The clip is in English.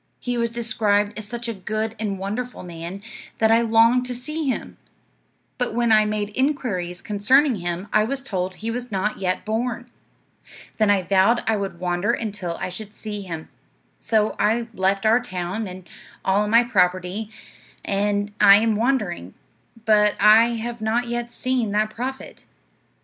He was described as such a good and wonderful man, that I longed to see him; but when I made inquiries concerning him I was told he was not yet born. Then I vowed I would wander until I should see him. So I left our town, and all my property, and I am wandering, but I have not yet seen that prophet.'